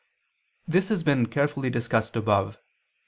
This has been carefully discussed above (Q.